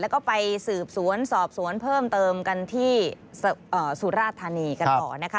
แล้วก็ไปสืบสวนสอบสวนเพิ่มเติมกันที่สุราธานีกันต่อนะคะ